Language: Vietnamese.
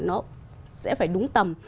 nó sẽ phải đúng tầm